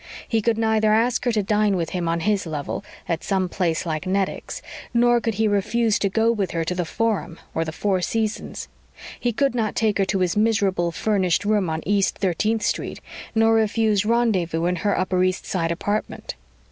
He could neither ask her to dine with him on his level, at some place like Nedick's, nor could he refuse to go with her to The Forum or the Four Seasons. He could not take her to his miserable furnished room on East 13th Street, nor refuse rendezvous in her Upper East Side apartment.